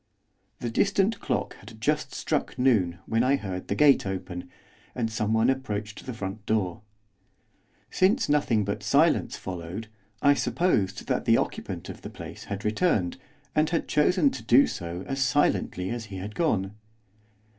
The distant clock had just struck noon when I heard the gate open, and someone approached the front door. Since nothing but silence followed, I supposed that the occupant of the place had returned, and had chosen to do so as silently as he had gone.